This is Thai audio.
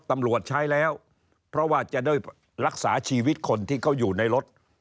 ตำรวจใช้แล้วเพราะว่าจะได้รักษาชีวิตคนที่เขาอยู่ในรถ